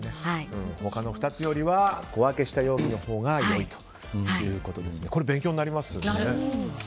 他の２つよりは小分けした容器のほうが良いということですがこれ勉強になりますね。